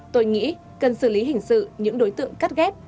tôi nghĩ cần xử lý hình sự những đối tượng cắt ghép